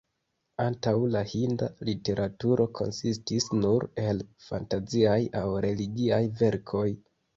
Antaŭ li hinda literaturo konsistis nur el fantaziaj aŭ religiaj verkoj.